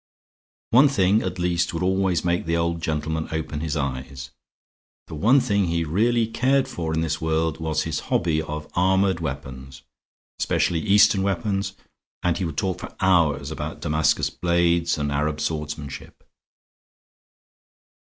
One thing at least would always make the old gentleman open his eyes. The one thing he really cared for in this world was his hobby of armored weapons, especially Eastern weapons, and he would talk for hours about Damascus blades and Arab swordmanship.